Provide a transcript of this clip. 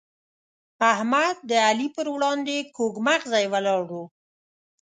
احمد د علي پر وړاندې کوږ مغزی ولاړ وو.